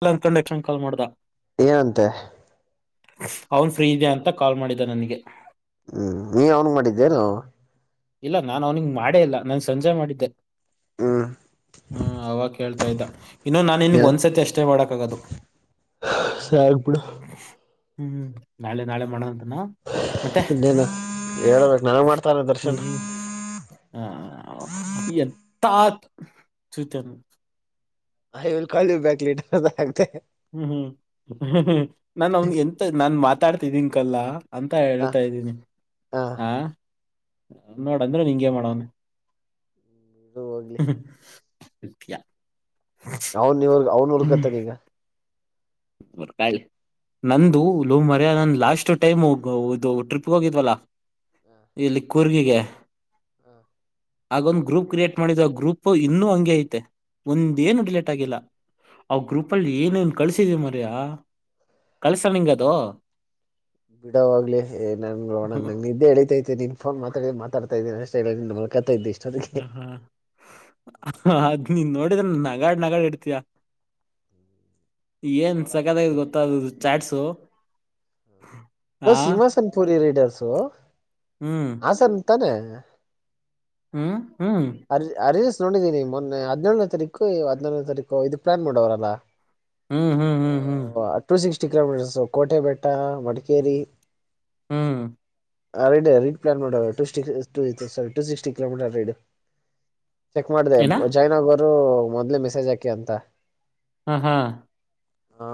ಇಲ್ಲ ಅನ್ಕೊಂಡುೆಕ್ಷನ್ ಕಾಲ್ ಮಾಡ್ದ ಏನಂತೆ ಅವನ್ ಫ್ರೀ ಇದೆಯ ಅಂತ ಕಾಲ್ ಮಾಡಿದ ನನಗೆ ಹ್ಮ್ ನೀ ಅವನ್ ಮಾಡಿದ್ದೀಾರ ಇಲ್ಲ ನಾನು ಅವ್ನಿಗೆ ಮಾಡೇ ಇಲ್ಲ ನಾನ ಸಂಜೆ ಮಾಡಿದ್ದೆ ಹ್ಮ್ ಹ್ಮ ಅವಾಗ ಹೇಳ್ತ ಅತದ ಇನ್ನುೊ ನಾನು ಇನ್ಗ್ ಏ ಒಂದ್ಸತಿ ಅಷ್ಟೇ ಮಾಡಕ ಆಗದು ಸಾಕ್ಬಿಡು ಹ್ಮ್ ನಾಳೆ ನಾಳೆ ಮಾಡೋ ಇನ್ನೇನು ಹೇಳ್ಬೇಕು ನಾನ ಮಾಡ್ತಾನದ್ರ ಹ್ಮ ಹ ತಾತ ಸಿತನೆ ಯಲ್ ಕಾಲಿ ಬ್ಯಾಕ್ ಲೀಟರ್ ಆಗ್ತೆ ಹ್ಮ್ ಹ್ಮ್ ಹ್ಮ್ ಹ್ಮ್ ನಾನನ್ ಅವನ್ ಎಂತ ನಾನ್ ಮಾತಾಡ್ತಿದಿನ್ಕಲ್ಲಾ ಅಂತ ಹ ಹೇಳ್ತಾದೀನಿ ಹ ಹಾ ನ ನೋಡಂದ್ರೆ ನಿಂಂಗಗೆ ಮಾಡವನ ಇದು ಹೋಗ್ಲಿ ಸತಿಯ ಅವನ್ ನೀವ ಅವನ್ ಹುರ್ಕತ ನೀ ಈಗ [unintelligible] ನಂದು ಲ ಲೋ ಮರ್ಯ ನನ್ ಲಾಸ್ಟ್ ಟೈಮ್ ಇದು ಟ್ರಿಪ್ಗೆ ಹೋಗಿದ್ವಲ್ಲಾ ಇಲ್ಲಿ ಕುರ್ಗಿಗೆ ಹಾ ಆಗೊಂದ್ ಗ್ರೂಪ್ ಕ್ರಿಯೇಟ್ ಮಾಡಿದ್ರು ಆ ಗ್ರೂಪ್ ಇನ್ನುೂ ಹಂಗೆ ಐತೆ ಒಂದ ಏನು ಡಿಲೇಟ್ ಆಗಿಲ್ಲ ಅವ ಗ್ರೂಪ ಅಲ್ಲಿ ಏನೇನ್ ಕಳ್ಸಿದೀ ಮರಯ ಕಳ್ಸನಂಗ ಅದು ಬಿಡವಾಗ್ಲಿ ಹ್ಮ್ ನನ್ೋಣಂದಂಗಗೆ ನ ಇದಿದ್ದೆ ಹಿತತೈತೆ ನೀನ್ ಫೋನ್ ಮಾತಾಡ ಮಾತಾಡ್ತ ಕತೈ ಇದಷ್ಟ ಹ್ಮ ಹ್ಮ ಹ ಅದ್ ನೀನ್ ನೋಡಿದ್ರ ನಗಾಡ್ ನಗಾಡ್ ಇಡ್ತಯ ಏನ್ ನೋಡೋಣ ಸಕ್ಕತ್ಗ ಬಿಡು ಗೊತ್ತಾದ ಚಾಟ್ಸು ಆ ಸಿಹಾಸನ್ ಪುರಿ ರೀಡರ್ಸು ಹ್ಮ್ ಹಾಸನ್ಂತಾನೆ ಹ್ಮ್ ಹ್ಮ್ ನೋಡಿದೀನಿ ಮೊನ್ನೆ ಹದಿನೇಳನೇ ತೀ ಹದಿನಲ್ನೇ ತಾರೀಕು ಇದು ಪ್ಲಾನ್ ಮಾಡೋವರಲ್ಲಾ ಹ್ಮ್ ಹ್ಮ್ ಹ್ಮ್ ಹ್ಮ್ ಟು ಸಿಕ್ಸ್ಟಿ ಕಿಲೋಮೀಟರ್ ಕೋಟೆ ಬೆಟ್ಟ ಮಡಿಕೇರಿ ಹ್ಮ್ ಆ ರ ರಡ್ ಪ್ಲಾನ್ ಮಾಡ ಟ ಸಿಟಿ ಕಿಲೋಮೀಟರ್ ರೈಡ್ ಚೆಕ್ ಮಾಡ್ದ ಏನ ಜಾಯ್ನ್ ಆಗೋರು ಮೊದ್ಲ ಮೆಸೇಜ್ ಹಾಕಿ ಅಂತ ಹಾ ಹಾ ಹಾ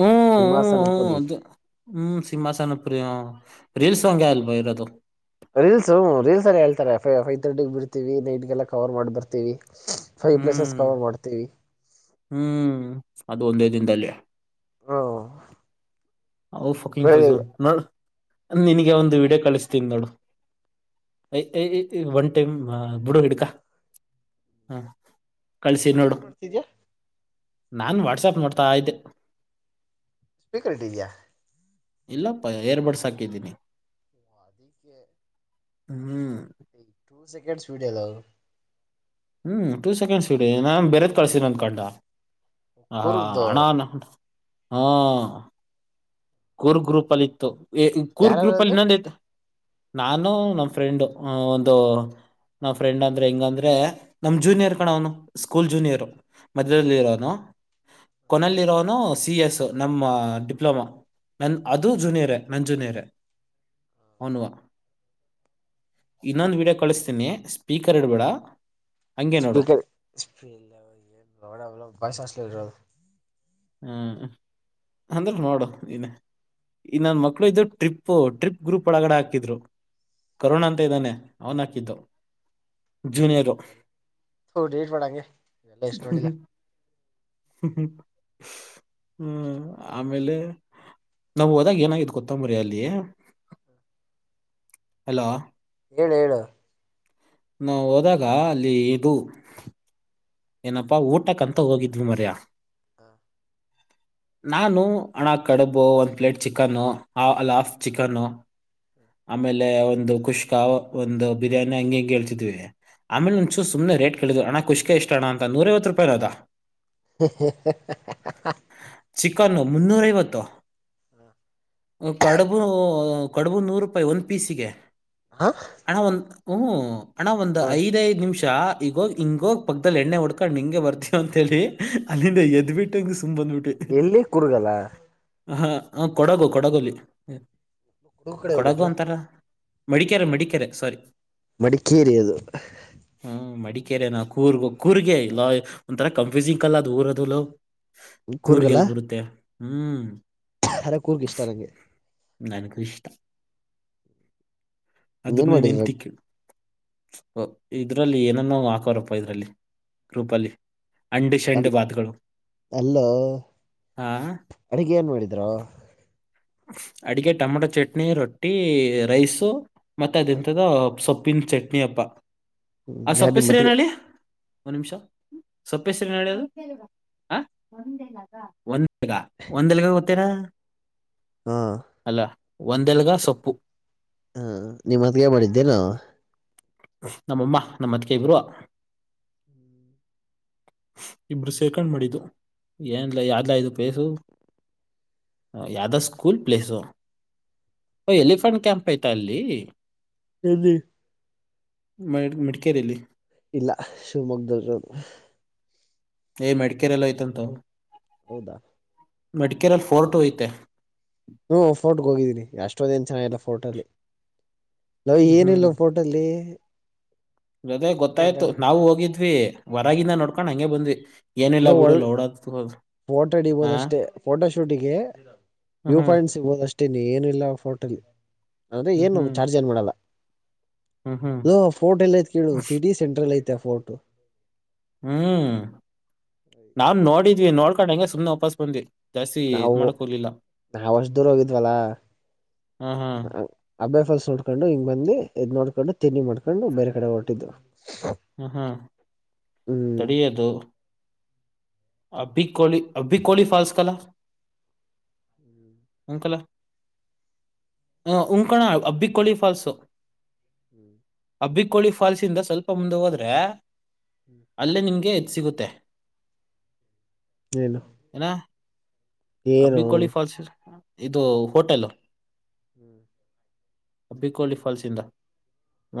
ಹ್ಮ್ ಹ್ಮ ಹ್ಮ್ ಸಿಂಹಾಸನಪುರಿ ಅದು ಹ್ಮ್ ಸೀಂಮಾಸನಪುರ ರೀಲ್ ಸ ಸಾಂಗಲ್ ಬರ ರೀಲ್ಸ್ ರೀಲ್ಸ್ ಎಲ್ಲ ಹೇಳ್ತಾರೆ ಫೈವ್ ತರ್ಟಿಿಗೆ ಬಿರ್ತೀವಿ ನೈಟ್ಗೆಲ್ಲ ಕವರ್ ಮಾಡಿ ಬರ್ತೀವಿ ಫೈವ್ ಪ್ಲೇಸಸ್ ಹ್ಮ್ ಕವರ್ ಮಾಡ್ತೀವಿ ಹ್ಮ್ ಅದು ಒಂದೇ ದಿನದಲ್ಲಿಯ ಹ ಹ ಫಕಿಂಗ್ ಫಜೂ ನೋ ನಿನಗೆ ಒಂದು ವಿಡಿಯೋ ಕಳಿಸ್ತೀನ್ ನೋಡು ಒನ್ ಟೈಮ್ ಬುಡು ಹಿಡ್ಕ ಹ ಕಳ್ಸಿ ನೋಡು ಏನ್ ಮಾಡ್ತಿದ್ಯಾ ನಾನ್ ವಾಟ್ಸಪ್ ನೋಡ್ತಾ ಇದೆ ಸ್ಪೀಕರ್ ಇಟ್ಟಿದಿಯಾ ಇಲ್ಲ ಪ ಏರ್ಬಡ್ಸಾಕಿದ್ದೀನಿ ಅದಕ್ಕೆ ಹ್ಮ್ ಟೂ ಸೆಕಂಡ್ ಸ್ ವೀಡಲ್ಲ ಹ್ಮ್ ಟೂ ಸೆಕೆಂಡ್ಸ್ ಬಿಡಿ ನಾನ್ ಬೇರೆದ್ ಕಳ್ಸ ಬಂದ್ ಕಂಡ ಹಾ ಕೂರ್ಗ್ದು ಹಣಾನ ಹ್ಮ ಕೂರ್ ಗ್ರೂಪ್ ಅಲ್ಲಿ ಇತ್ತು ಕೂರ್ ಗ್ರೂಪ ಅಲ್ಲಿ ಯಾರಾರದು ಇನ್ನೊಂದೈತ ನಾನು ನಮ್ಮ್ ಫ್ರೆಂಡ್ ಒಂದು ನಾವ್ ಫ್ರೆಂಡ್ ಅಂದ್ರೆ ಹೆಂಗ ಅಂದ್ರೆ ನಮ ಜೂನಿಯರ್ ಕಣ ಅವನು ಸ್ಕೂಲ್ ಜೂನಿಯರ್ ಮಧ್ಯದಲ್ಲಿ ಇರೋವನು ಕೊನೆಯಲ್ಲಿರೋನು ಸಿ ಎ ಎಸ್ ನಮ್ಮ ಡಿಪ್ಲೊಮಾ ನನ್ ಅದು ಜುನಿಯರೆ ನನ್ ಜುನಿಯರೆ ಅವನುವಾ ಇನ್ನೊಂದು ವಿೀಡಿಯೋ ಕಳಿಸ್ತೀನಿ ಸ್ಪೀಕರ್ ಇಡ್ಬೇಡ ಹಂಗೆ ನೋಡು ಸ್ಪೀಕರ್ ವಯಸ ಹ್ಮ ಅಂದ್ರ ನೋಡು ನ ಈ ನನ್ನ ಮಕ್ಳು ಇದ್ ಟ್ರಿಪ್ ಟ್ರಿಪ್ ಗ್ರೂಪ್ ಒಳಗಡೆ ಹಾಕಿದ್ರು [unintelligible] ಜುನಿಯರೋ ಥು ಡಿಲೀಟ್ ಮಾಡು ಹಂಗೆ ಇವೆಲ್ಲ ಎಷ್ಟು ನೋಡಿಲ್ಲ ಎಷ್ಟು ಹ್ಮ್ ನೋಡಿಲ್ಲ ಇವೆಲ್ಲ ಆಮೇಲೆ ನಾ್ ಹೋದಾಗ ಏನಾಗಿದೆ ಕೊತ್ತಂಬರಿ ಅಲ್ಲಿ ಅಲ ಏಳು ಹೇಳಏಳು ನಾವು ಹೋದಾಗ ಅಲ್ಲಿ ಇದು ಏನಪ್ಪಾ ಊಟ ಕಂತ ಹೋಗಿದ್ವಿ ಮರ್ಯ ಹ ನಾನು ಹಣ ಕಡುಬು ಒಂದು ಪ್ಲೇಟ್ ಚಿಕನ್ನು ಅಲ್ಲ ಹಾಫ್ ಚಿಕನ್ನು ಆಮೇಲೆ ಒಂದು ಕುಷ್ಕ ಒಂದು ಬಿರಿಯಾನಿ ಹಂಗ ಹಂಗ ಹೇಳ್ತಿದ್ವಿ ಆಮೇಲೆ ಒಂಚೂು ಸುಮ್ಮನೆ ರೇಟ್ ಕೇಳಳಿದು ಅಣ ಖುಷಿಗೆ ಎಷ್ಟ ಅಣ ಅಂತ ನೂರೈವತ್ತು ರೂಪಾಯಿ ಅದ ಹ ಚಿಕನ್ನು ಮುನ್ನೂರೈಐವತ್ತು ಹ್ಮ ಕಡುಬು ಕಡುಬು ನೂರು ರೂಪಾಯಿ ಒಂದು ಪೀಸಿಗೆ ಹಾ ಅಣ್ಣ ಒಂದು ಹ್ ಹಣ ಒಂದು್ ಐದೈದು ನಿಮಿಷ ಚಾ ಈಗೋಗ ಹಿಂಗೋಗ್ ಪಕ್ಕದಲ್ಲಿ ಎಣ್ಣೆ ಹೊಡ್ಕೊಂಡ್ ನಿಂಗೆ ಬರ್ತೀವ ಅಂತೇಳಿ ಅಲ್ಲಿಂದ ಎದ್ ಬಿಟ್ಟಂಗ ಎಲ್ಲಿ ಕುರ್ಗಲ್ಲ ಹಾ ಹ ಕೊಡಗು ಕೊಡಗಲಿ ಕೂರ್ಗ್ ಕಡೆ ಕೊಡಗು ಹೋಗ್ಬೇಕಲ ಅಂತಾರ ಮೆಡಿಕ್ಯಾರ ಮಡಿಕ್ಯಾರ ಸಾರಿ ಮಡಿಕೇರಿ ಅದು ಕರೆ ನ ಕೂರ್ ಕೂರ್ಗೆ ಇಲ್ಲ ಒಂಥರ ಕನ್ಫ್ಯೂಸಿಂಗ ಕಲ್ಲ ಅದು ಊರದ ಕೂರ್ಗಲ್ಲ ಕೂರ್ಗೆಲ್ ಬರುತ್ತೆ ಹ್ಮ್ ಅರೆ ಕೂರ್ಗ್ ಇಷ್ಟ ನಂಗೆ ನನಕ ಇಷ್ಟ ಏನ್ ಅದನ್ನ ಮಾಡಿದ್ರು ಎೆಂತು ಅ ಇದ್ರಲ್ಲಿ ಏನನ್ನೋ ಹಾಕೋರಪ್ಪ ಇದ್ರಲ್ಲಿ ಗ್ರೂಪಲ್ಲಿ ಅಂಡು ಅಲ್ ಶಂಡು ಬಾತಗಳು ಅಲ್ಲೋ ಅಡಗೆ ಏನ್ ಮಾಡಿದ್ರ ಅಡಿಗೆ ಟೊಮಟೊ ಚಟ್ನಿ ರೊಟ್ಟಿ ರೈಸ ಮತ್ತ ಅದ ಇಂಂತದ ಸೊಪ್ಪು ಉಪ್ಪನ್ ಚಟ್ನಿ ಅಪ್ಪ ಆ ಯಾರ್ ಸೊಪ್ಪ ಹೆಸರು ನಿಮ್ಮತ್ಗೆ ಏನಳ್ಳಿ ಒ ನಿಮಿಷ ಸೊಪ್ಪ ಹೆಸರಿದು ಈಗ ಒಂದ ಎಲ್ಗ ಗೋಗ್ತೀರಾ ಹಾ ವಂದೆಲಗ ಸೊಪ್ಪು ಹಾ ನಿಮ್ಮ ಮತ್ಗೆ ಮಾಡಿದ್ದೇ ನ ನಮ್ಮಮ್ಮ ನಮ್ಮ ಅತ್ಕೇ ಬರುವ ಹ ಇಬರು ಸೇರ್ಕೊಂಡ್ ಮಾಡಿದ್ದು ಏನ್ಲ ಯಾರ್ಲ ಇದು ಪೇಸು ಯಾದ ಸ್ಕೂಲ್ ಪ್ಲೇಸು ಓ ಎಲಿಫೆಂಟ್ ಕ್ಯಾಂಪ್ ಐತ ಅಲ್ಲಿ ಸದು ಮ ಮಡಿಕೇರಿಯಲ್ಲಿ ಇಲ್ಲ ಶಿವಮೊಗ್ಗದದು ಏ್ ಮೆಡಿಕೇರೆ ಎಲ್ಲ ಯ್ತಂತ ಹೌದಾ ಮೆಡಿಕೇಲ್ಲ್ ಫೋರ್ಟ್ ಐತೆ ಹ್ಮ ಫೋರ್ಟ್ಗೆ ಹೋಗಿದ್ದೀನಿ ಎಷ್ಟೋಂದೇನ್ ಚೆನ್ನಾಗಿಲ್ಲ ಫೋರ್ಟ ಅಲ್ಲಿ ನಾ್ ಹ್ಮ್ ಏನಿಲ್ಲ ಫೋಟಲ್ಲಿ ಜೊತೆ ಗೊತ್ತಾಯ್ತು ನಾವು ಹೋಗಿದ್ವಿ ಹೊರಗಂದ ನೋಡ್ಕೊಂಡ್ ಹಂಗಗೆ ಬಂದ್ವಿ ಇಲ್ಲ ಏನಿಲ್ಲಲ್ಲ ಒ ಬಿಡು ಲೋಡ ಹದ್ರರು ಫೋಟೋ ಹಿಡಿಬೋದಷ್ಟೇ ಫೋಟೋ ಶೂಟಿಗೆ ಹ್ಮ್ ವ್ಯೂ ಹ್ಮ್ ಪಾಯಿಂಟ್ಸ್ ಸಿಗಬೋದಷ್ಟೆ ಅಷ್ಟೇ ಏನುಿಲ್ಲಲ್ಲ ಫೋಟೋಲಿ ಅಂದ್ರೆ ಹ್ಮ್ ಏನು ಹ್ಮ್ ಚಾರ್ಜ್ ಏನ್ ಮಾಡಲ್ಲ ಹ್ಮ್ ಹ್ಮ್ ಹೋ ಫೋರ್ಟ್ ಎಲ್ಲ ಐತ್ ಕೇಳು ಸಿಟಿ ಸೆಂಟ್ರಲ್ ಐತೆ ಆ ಫೋರ್ಟ್ ಹ್ಮ್ ನಾನ್ ನೋಡಿದ್ವಿ ನೋಡ್ಕೊಂಡ ಹಂಗೆ ಸುಮ್ನೆ ವಾಪಸ್ ಬಂದ್ವಿ ಜಾಸ್ತಿ ಇದ್ ನಾವು ಮಾಡಕ್ ಹೋಗ್ಲಿಲ್ಲ ನಾವವುಷ್ಟ ದೂರ ಹೋಗಿದ್ವಲ್ಲ ಹಾ ಹಾ ಅಬಾಯ ಫಾಲ್ಸ್ ನೋಡ್ಕೊಂಡು ಹಿಂಗ ಬಂದಿ ಇದ್ ನೋಡ್ಕೊಂಡು ತಿನ್ನಿ ಮಾಡ್ಕೊಂಡು ಬೇರೆ ಕಡೆ ಹೊರಟಿದ್ದವು ಹ ಹಾ ಹ್ಮ್ ತಡಿಯದು ಅಭಿ ಕಳ ಅಬ್ಬಿ ಕಳಫಲ್ಸ್ ಕಲ ಹಂಕಲ ಉಂಕಣ ಅಬ್ಬಿಕೋಳಿ ಫಾಲ್ಸೋ ಹ್ಮ್ ಅಬ್ಬಿಕೋಳಿ ಫಾಲ್ಸ್ ಇಂದ ಸ್ವಲ್ಪ ಮುಂದೆ ಹೋದ್ರೆ ಅಲ್ಲೇ ನಿಮ್ಗೆ ಸಿಗುತ್ತೆ ಏನು ಏನ ಅಬ್ಬಿಕೋಳಿ ಏನು ಫಾಲ್ಸ್ ಇದು ಹೋಟೆಲ್ ಹ್ಮ್ ಅಬಿಕೋಲಿ ಫಾಲ್ಸ್ ಇಂದ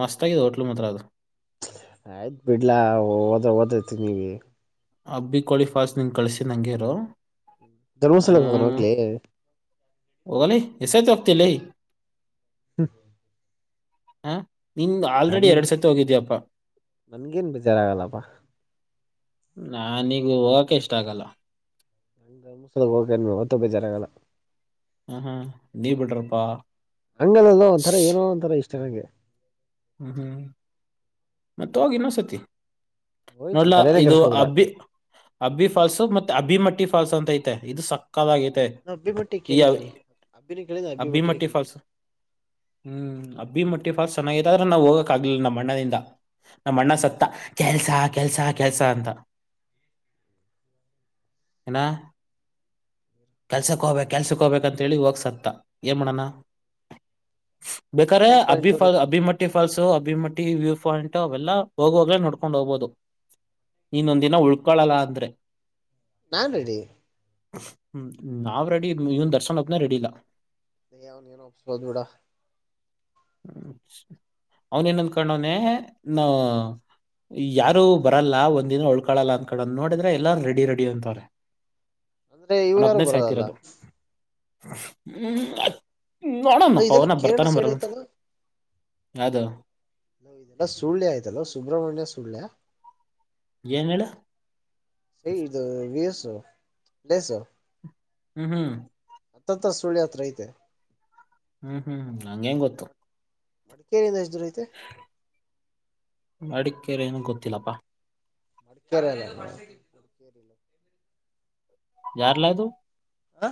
ಹ್ಮ ಹೋಟ್ಲು ಮಾತ್ರ ಅದು ಆಯ್ತ್ ಬಿಡ್ಲಾ ಓದ ಓದೈತಿ ನೀಗೆ ಅಬ್ಬಿ ಕೋಳಿ ಫಾಲ್ಸ್ ನಿಂಗ್ ಕಳಸ್ತೀನಿ ಹಂಗೆ ಇರು ಆ ಧರ್ಮಸ್ಥಳಕೆ ಹೋಗವರ ಹೋಗ್ಲಿ ಹೋಗಲಿ ಎಸೇತ ಹೋಗ್ತಿಯಲೆ ಹ್ಮ [inaudible] ಹಾ ನಿನ್ ಆಲ್ರೆಡಿ ಎರಡ್ ಸತಿ ಹೋಗಿದೀಯಪ್ಪಾ ನನ್ಗೇನ್ ಬೇಜಾರಾಗಲ್ಲಪ್ಪಾ ನಾನೀಗ ಹೋಗಕ ಇಷ್ಟ ಆಗಲ್ಲ ಅಂಗ ಮುಸಲ ಹೋಕ ಮತ್ತ ಯಾವತ್ತ್ ಬೆಜರಾಗಲ್ಲ ಹ ಹಾ ನೀ ಬಿಡ್ರಪಾ ಹಂಗದಲೋ ಒಂಥರ ಏನೋ ಒಂಥರ ಇಷ್ಟ ನಂಗೆ ಹ್ಮ್ ಹ್ಮ್ ಮತ್ತ ಹೋಗಿ ಇನ್ನೊಂದ್ಸತಿ ನೋಡ್ಲ ಹೋಯ್ತಿನ್ ತಲೆನೇ ಇದು ಕೆಡ್ಸ್ಕೊಬೇಡ ಅಬಿ ಅಬಿ ಫಾಲ್ಸು ಮತ್ತೆ ಅಬಿ ಮಟ್ಟ ಫಾಲ್ಸ್ ಅಂತ ಐತೆ ಇದು ಸಕ್ಕತಗೈತೆ ನಾ ಅಬ್ಬಿ ಮಟ್ಟಿ ಈ ಕೇಳಿದ್ದೀನಿ ಅಬ್ಬಿನೂ ಕೇಳಿದೆ ಅಬ್ಬಿ ಮಟ್ಟಿನೂ ಕೇಳಿದ್ದೀನಿ ಮಟ್ಟಿಫಾಲಸ್ ಹ್ಮ್ ಅಬ್ಬಿ ಮಟ್ಟಿಫಲ್ಸ್ ಸನ್ನಾಯತ ಹ ನಾವು ಹೋಗಕಕ್ಗ್ಲಿಲ್ಲ ನಮ್ಮ ಅಣ್ಣದಿಂದ ನಮ್ಮ ಅಣ್ಣ ಸತ್ತ ಕೆಲ್ಸ ಕೆಲ್ಸ ಕೆಲ್ಸ ಅಂತ [inaudible] ಇ್ಣ ಕೆಲ್ಸಕ್ ಹೋಗ್ಬೇಕ್ ಕೆಲ್ಸಕ್ ಹೋಗಬೇಕಂತೇಳಿ ಹೋಗಸತ್ತ ಏನ್ ಮಾಡಣ ಬೇಕಾದಾರೆೆ four point Abbi to fall rate ಅಬಿ ಮಟ್ಟ ಫಾಲ್ಸ್ ಅಭಿಮಟ್ಟಿ ವ್ಯೂ್ ಪಾಯಿಂಟ್ ಅವೆಲ್ಲಾ ಹೋಗುವಾಗ್ಲೇ ನೋಡ್ಕೊಂಡ್ ಹೋಗಬಹುದು ಇನ್ನೊಂದಿನ ಉಳ್ಕೊಳಲ್ಲ ಅಂದ್ರೆ ನಾನ್ ರೆಡಿ ಹ್ಮ್ ನಾವ್ ರೆಡಿ ಇವನ್ ದರ್ಶನ್ ಒಬ್ನೇ ರೆಡಿ ಇಲ್ಲಾ ಏ ಅವನೇನು ಒಪ್ಸಿಬೋದು ಬಿಡೋ ಹ್ಮ ಅವನೇನ್ ಅನ್ಧಕೊಂಡವ್ನೆ ಯಾರು ಬರಲ್ಲ ಒಂದಿನ ಉಳ್ಕಳಲ್ಲ ಅಂದಕೊಂದವನೇ ನೋಡಿದ್ರೆ ಎಲ್ಲ ರೆಡಿ ರೆಡಿ ಅಂತವ್ರೆ ಅಂದ್ರೆ ಇವರು ಯಾರು ಅವ್ನೊಬ್ನೇ ಬರೋದಲ್ಲ ಸಾಯ್ತಿರೋದು ಹ್ಮ್ ನೋಡಣಪ್ಪ ಇದೆಲ್ಲ ಅವನ ಕೇರಳ ಬರ್ತಾನ ಸೈಡ್ ಬರಲ್ಲಂತ ಐತಲ್ಲ ಯದು ಲೋ ಸುಳ್ಯ ಆಯ್ತಲ್ಲ ಸುಬ್ರಹ್ಮಣ್ಯ ಸುಳ್ಯ ಏನ್ ಹೇಳು ಏ ಇದು ರೀಲ್ಸ್ ಪ್ಲೇಸ್ ಹ್ಮ್ ಹ್ಮ್ ಹತ್ತ ಹತ್ರ ಸುಳ್ಯ ಅತ್ರ ಅಯ್ತೆ ಹ್ಮ್ ಹ್ಮ್ ಹ್ಮ್ ನಂಗೇನ್ ಗೊತ್ತು ಮಡಿಕೇರಿಯಿಂದ ಎಸ್ಟ್ ದೋರ ಅಯ್ತೆ ಮಡಿಕೇರೆ ಏನ ಗೊತ್ತಿಲ್ಲಪ್ಪಾ ಮಡಿಕೇರಿ ಎಲ್ಲ ಮಡಿಕೇರಿಲ್ಲ ಯಾರಲದು ಹ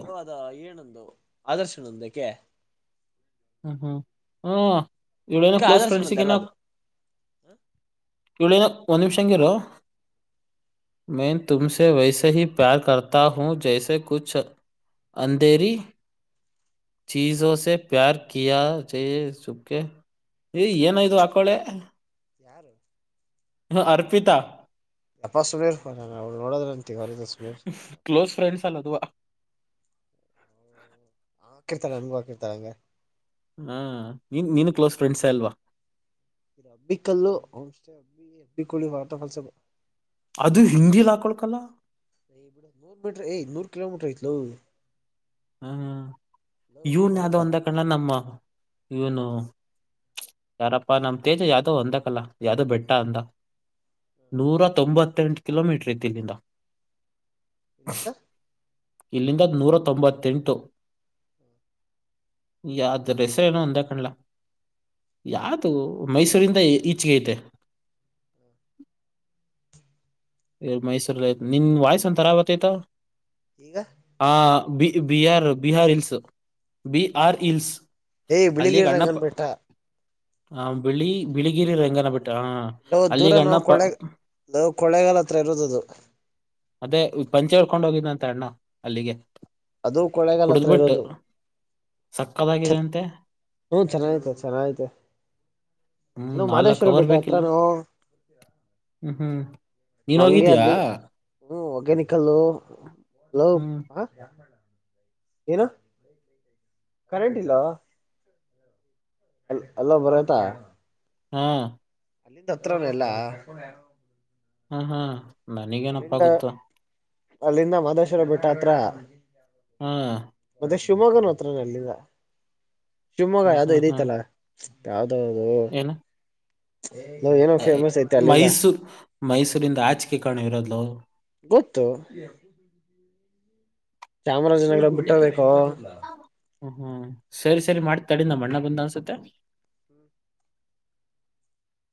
ನೋ ಅದ ಏನೊಂದು ಆದರ್ಶನೊಂದಕೆ ಹ್ಮ ಹ್ಮ್ ಹ್ಮ ಇವಳೆನೋ ಎತ್ಕ ಕ್ಲೋಸ್ ಆದರ್ಶನೊಂದು ಎಲ್ಲ ಫ್ರೆಂಡಸೀಗೇನೋ ಅದು ಳಿನ ಒಂದ್ ನಿಮಿಷ ಹಂಗಿರು ಮೈ ತುಮಸೆ ವೈಸ ಹೀ ಪ್ಯಾರ ಕತ ಹೂಂ ಜೈಸೆ ಕುಛ ಅಂಧೇರಿ ಚೀಜೊಸ ಪ್ಯಾರ ಅಕಿಯಾ ಚೈ ಸುಕ್ಕೆ ಈ ಏನಯ್ತು ಆಕಳೆ ಯಾರು ಹ್ಮ ಅರ್ಪಿತಾ ಅಪ ಸುಮೇರ್ರ ಅವ ನೋಡದಂತ ಹೊ ಸಮೇ ಹ [inaudible] ಹಾಕರ್ತಾರೆ ನಮಗೆ ಹಾರ್ತಾರೆ ಅಂಗ ಹಾ ನೀನ್ ನೀನು ಕ್ಲೋಸ್ ಫ್ರೆಂಡ್ಸ್ ಅಲ್ವಾ ರಬ ಕಲ್ಲು ಬಿಕೋಳ ವಾಟರ್ಫಲ್ ಸ ಅದು ಹಿಂದಿಲಿ ಹಾಕೊಳ್ಕಲ್ಲ ಬಿಡ ನೂರ್ ಮೀಟ್ರ ಏ್ ನೂರ್ ಕಿಲೋಮೀಟರ್ ತ್ಲ ಹ್ಮ ಇವನ್ ಯದ ಬರುತ್ತಾ ಒಂದ ಕನ್ನ ನಮ್ಮ ಇವನು ಯಾರಪ್ಪ ನಮ ತೇಜ ಯಾದವ ಅಂದ ಕಲ್ಲ ಯಾದವ ಬೆಟ್ಟ ಅಂದ ನೂರ ತೊಂಬತ್ತೆಂಟು ಕಿಲೋ ಮೀಟರ್ ಇದ್ದಲ್ಲಿಂದ ಇಲ್ಲಿಂದಂದು [unintelligible] ಇಲ್ಲಿಂದ ನೂರ ತೊಂಬತ್ತೆಂಟು ಯ ಅದ ರೆಸನ ಅಂದಾ ಕಣಲ ಯಾದುು ಮೈಸೂರಿಂದ ಈಚೆಗೆ ಐತೆ ಹ್ಮ [inaudible] ಮೈಸೂರ ನಿನ್ ವಾಯ್ಸ ಒಂತರ ಆವತ್ತತ ಈಗ ಆ ಬಿ Bihar Bihar hills B R hills ಏಯ್ ಅಲ್ಲಿ ಬಿಳಿಗಿರಿ ಕಣ್ಣಪ್ಪ ರಂಗನ ಬೆಟ್ಟ ಹ ಬಿಳಿ ಬಿಳಿಗಿರಿ ರಂಗನ ಬಿಟ್ಟ ಹ ಲೋ ದೂರ ಅಲ್ಲಿಗ ನಾವು ಅಣ್ಣಪ್ಪ ಕೊಳ್ಳೆ ಲೋ ಕೊಳ್ಳೇಗಾಲ ಹತ್ರ ಇರೋದದು ಮತ್ತೇ ಪಂಚೆ ಹಳ್ಕೊಂಡ್ ಹೋಗಿದ್ದ ಅಂತ ಅಣ್ಣ ಅಲ್ಲಿಗೆ ಅದು ಕೊಳೆಗಾಲ ಹತ್ರ ಕುಡಿದ್ಬಿಟ್ಟು ಇರೋದು ಸಕ್ಕದಾಗಿದೆ ಅಂತೆ ಹ್ಮ ಚೆನ್ನಐ್ತ ಚೆನ್ನ ಆಐ್ತ ಹ್ಮ್ ಅಲೋ ನಾಲ್ಕ್ ಮಾದೇಶ್ವರ ಅವರ್ ಬಿಟ್ಟ ಬೇಕಿಲ್ಲ ಹತ್ರನು ಹ್ಮ್ ಹ್ಮ್ ನೀನ್ ಹೋಗಿದ್ದಯ ಹ ಒಗ್ಯನಿಕಲ ಹ್ಮ್ ಹ ಏನು ಕರೆಂಟ್ ಇಲ್ಲವಾ ಅ ಅಲ್ಲ ಬರಯ್ತಾ ಹಾ ಅಲ್ಲಿಂದ ಹತ್ರನ ಎಲ್ಲಾ ಹಾ ಹ್ಮ ನನಿಗೇನಪ್ಪ ಗೊತ್ತು ಅಲ್ಲಿಂದ ಮಾದೇಶ್ವರ ಬಿಟ್ಟ ಹತ್ರ ಹ್ಮ ಅದೇ ಶಿವಮೊಗ್ಗನ ಹತ್ರ ಅಲ್ಲಿಗ ಶಿವಮೊಗ್ಗ ಹಾ ಯಾವವು್ದೋ ಹಾ ಹಾ ಇದೈತಲ್ಲ ಯ ಹ ಅ ಮೈಸೂರ್ ಮೈಸೂರಿಂದ ಆಚಿಕೆ ಕಾಣ ಇರೋದಲು ಗೊತ್ತು ಚಾಮರಾಜನಗ ಬಿಟ್ಟಬೇಕು ಹ್ಮ್ ಸರಿ ಸರಿ ಮಾಡಿ ತಡ ನ ಅಣ್ಣ ಬಂದ್ ಅನ್ಸುತ್ತೆ [inaudible]